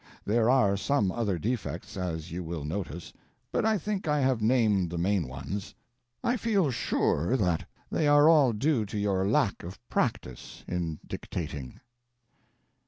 There are some other defects, as you will notice, but I think I have named the main ones. I feel sure that they are all due to your lack of practice in dictating.